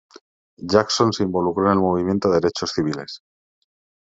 Jackson se involucró en el movimiento de derechos civiles.